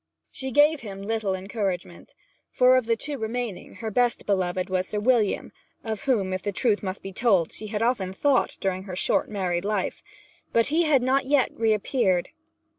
She gave him little encouragement; for, of the two remaining, her best beloved was Sir William, of whom, if the truth must be told, she had often thought during her short married life. But he had not yet reappeared.